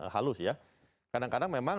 halus ya kadang kadang memang